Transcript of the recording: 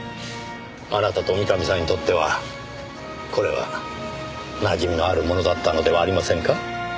あなたと三上さんにとってはこれはなじみのあるものだったのではありませんか？